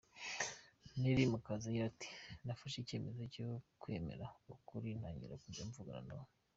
Nelly Mukazayire ati: “Nafashe icyemezo cyo kwemera ukuri, ntangira kujya mvugana na mama.